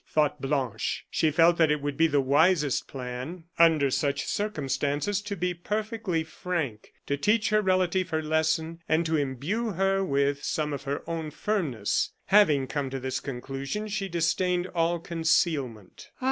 thought Blanche. She felt that it would be the wisest plan, under such circumstances, to be perfectly frank, to teach her relative her lesson, and to imbue her with some of her own firmness. Having come to this conclusion, she disdained all concealment.